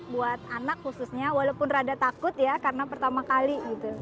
buat anak khususnya walaupun rada takut ya karena pertama kali